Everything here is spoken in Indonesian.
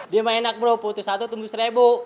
dia mah enak bro putus satu tumbuh seribu